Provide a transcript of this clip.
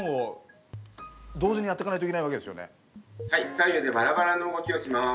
左右でバラバラの動きをします。